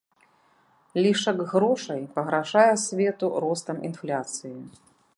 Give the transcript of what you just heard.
Лішак грошай пагражае свету ростам інфляцыі.